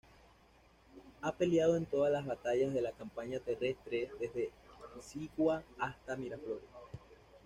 Ha peleado en todas las batallas de la campaña terrestre, desde Pisagua hasta Miraflores.